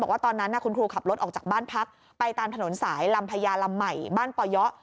บอกว่าตอนนั้นคุณครูขับรถออกจากบ้านพักไปตามถนนสายลำพญาลำใหม่บ้านป่อเยาะ